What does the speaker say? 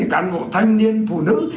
cán bộ thanh niên phụ nữ